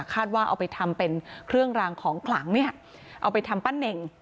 เอาไปทำเป็นเครื่องรางของขลังเนี่ยเอาไปทำปั้นเน่ง